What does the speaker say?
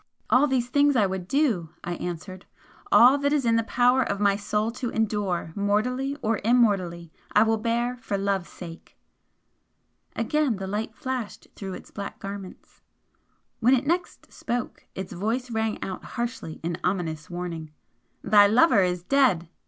"All these things I would do!" I answered "All that is in the power of my soul to endure mortally or immortally, I will bear for Love's sake!" Again the light flashed through its black garments. When it next spoke, its voice rang out harshly in ominous warning. "Thy lover is dead!"